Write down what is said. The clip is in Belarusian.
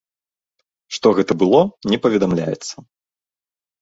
Што гэта было, не паведамляецца.